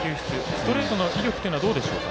ストレートの威力はどうでしょうか。